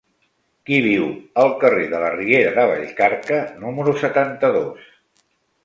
Qui viu al carrer de la Riera de Vallcarca número setanta-dos?